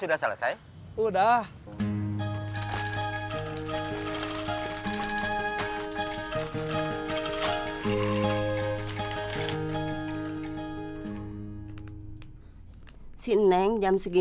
sudah selesai wahan ritual dan karakter terakhir